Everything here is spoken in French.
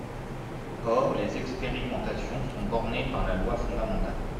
Or les expérimentations sont bornées par la loi fondamentale.